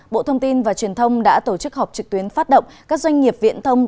bộ thông tin và truyền thông đã tổ chức họp trực tuyến phát động các doanh nghiệp viễn thông